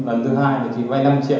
lần thứ hai thì chị vay năm triệu